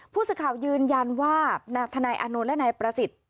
ผู้สื่อข่าวยืนยันว่าทนายอานนท์และนายประสิทธิ์